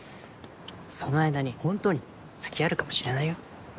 その間にホントに付き合えるかもしれないよ。